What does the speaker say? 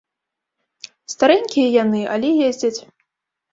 Старэнькія яны, але ездзяць.